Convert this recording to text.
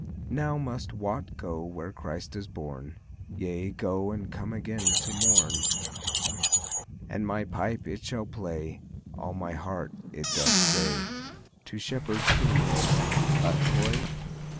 Now must Wat go where Christ is born, Yea, go and come again to morn. And my pipe it shall play, All my heart it doth say To Shepherd King: Ut hoy!